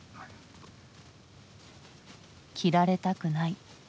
切られたくない。